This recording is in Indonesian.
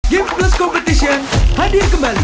game news competition hadir kembali